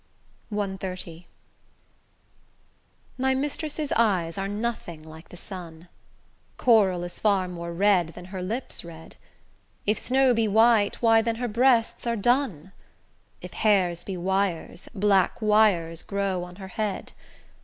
CXXX My mistress' eyes are nothing like the sun; Coral is far more red, than her lips red: If snow be white, why then her breasts are dun; If hairs be wires, black wires grow on her head.